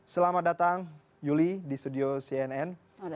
selamat datang yuli di studio cnn